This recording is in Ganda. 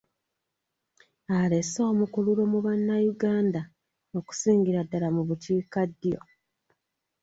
Alese omukululo mu bannanyuganda okusingira ddala mu bukiikaddyo.